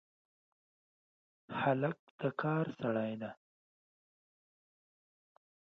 هلک د کار سړی دی.